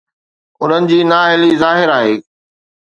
انهن جي نااهلي ظاهر آهي.